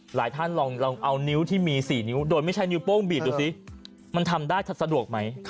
หลายท่านลองเอานิ้วที่มี๔นิ้วโดยไม่ใช่นิ้วโป้งบีบดูสิมันทำได้สะดวกไหม